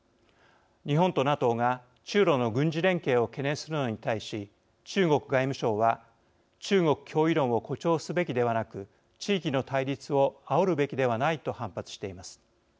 日本とＮＡＴＯが中ロの軍事連携を懸念するのに対し中国外務省は中国脅威論を誇張すべきではなく地域の対立をあおるべきではないと反発しています。